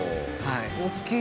大きい。